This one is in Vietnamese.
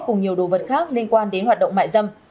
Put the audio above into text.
cùng nhiều đồ vật khác liên quan đến hoạt động mại dâm